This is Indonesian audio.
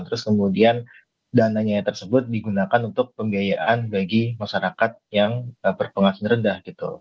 terus kemudian dananya tersebut digunakan untuk pembiayaan bagi masyarakat yang berpenghasilan rendah gitu